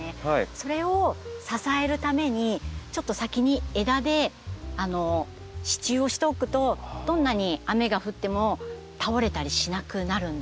それを支えるためにちょっと先に枝で支柱をしておくとどんなに雨が降っても倒れたりしなくなるんですよ。